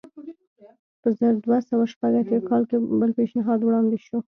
په زر دوه سوه شپږ اتیا کال بل پېشنهاد وړاندې شو.